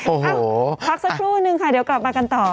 โอ้โหพักสักครู่นึงค่ะเดี๋ยวกลับมากันต่อ